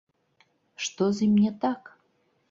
Што з ім не так?